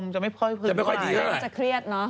จะเเทียดเนอะ